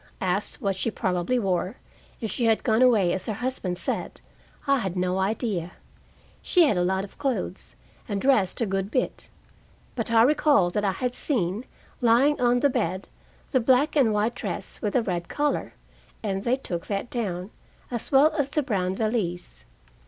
Asked what she probably wore, if she had gone away as her husband said, I had no idea; she had a lot of clothes, and dressed a good bit. But I recalled that I had seen, lying on the bed, the black and white dress with the red collar, and they took that down, as well as the brown valise.